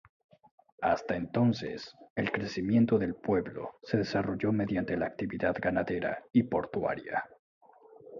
Hasta entonces el crecimiento del pueblo se desarrolló mediante la actividad ganadera y portuaria.